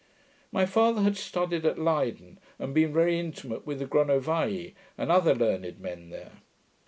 My father had studied at Leyden, and been very intimate with the Gronovii, and other learned men there.